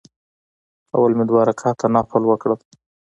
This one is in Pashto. اول مې دوه رکعته نفل وکړ.